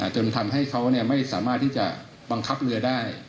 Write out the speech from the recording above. จนทำให้เขาไม่สามารถที่จะบังคับเรือได้